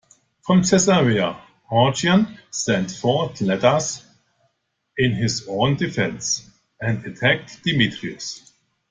From Caesarea Origen sent forth letters in his own defence, and attacked Demetrius.